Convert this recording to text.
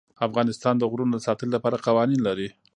افغانستان د غرونه د ساتنې لپاره قوانین لري.